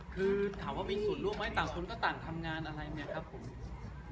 คือถามว่ามีส่วนร่วมไหมต่างคนก็ต่างทำงานอะไรเนี่ยครับผม